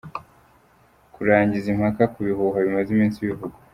kurangiza impaka ku bihuha bimaze iminsi bivugwa.